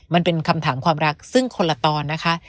มันเป็นคำถามความรักซึ่งคนละตอนนะคะ